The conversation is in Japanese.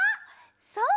そう！